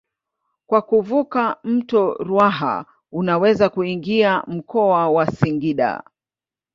Kwa kuvuka mto Ruaha unaweza kuingia mkoa wa Singida.